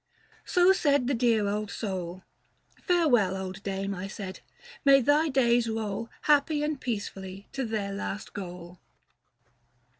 So said the dear old soul. Farewell, old dame, I said ; may thy days roll Happy and peacefully to their last goal.